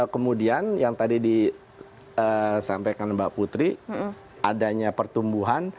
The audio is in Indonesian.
kemudian yang tadi disampaikan mbak putri adanya pertumbuhan